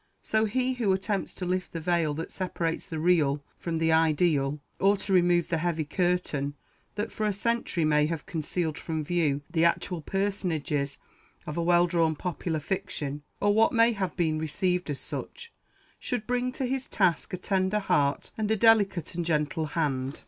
So he who attempts to lift the veil that separates the REAL from the IDEAL, or to remove the heavy curtain that for a century may have concealed from view the actual personages of a well drawn popular fiction, or what may have been received as such, should bring to his task a tender heart and a delicate and gentle hand.